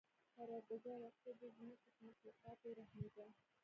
پروردګاره! ته د ځمکې په مخلوقاتو ورحمېږه.